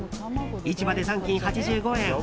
市場で残金８５円。